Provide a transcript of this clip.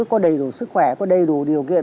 có đầy đủ sức khỏe có đầy đủ điều kiện